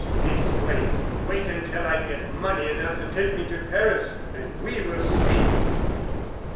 he exclaimed. "Wait until I get money enough to take me to Paris, and we will see."